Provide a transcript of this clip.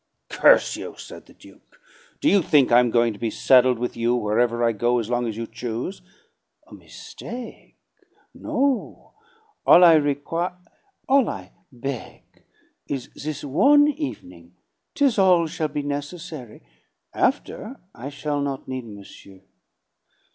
"Curse you," said the Duke, "do you think I'm going to be saddled with you wherever I go as long as you choose?" "A mistake. No. All I requi All I beg is this one evening. 'Tis all shall be necessary. After, I shall not need monsieur.